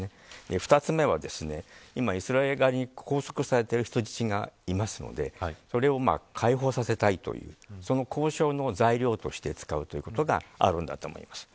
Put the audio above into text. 二つ目は、イスラエル側に拘束されている人質がいますのでそれを解放させたいという交渉の材料として使うということがあると思います。